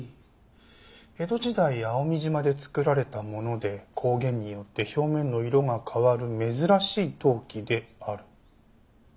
「江戸時代蒼海島で作られたもので光源によって表面の色が変わる珍しい陶器である」